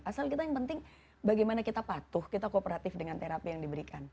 asal kita yang penting bagaimana kita patuh kita kooperatif dengan terapi yang diberikan